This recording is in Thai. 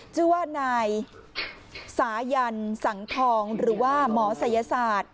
ชื่อว่านายสายันสังทองหรือว่าหมอศัยศาสตร์